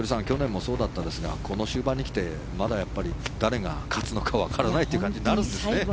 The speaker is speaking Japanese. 去年もそうだったですがこの終盤に来て、まだやっぱり誰が勝つのかわからないという感じになるんですね。